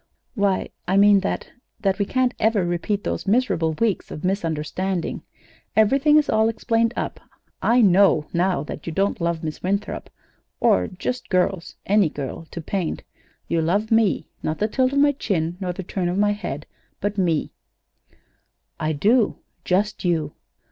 "Why, I mean that that we can't ever repeat hose miserable weeks of misunderstanding. Everything is all explained up. I know, now, that you don't love Miss Winthrop, or just girls any girl to paint. You love me. Not the tilt of my chin, nor the turn of my head; but me." "I do just you."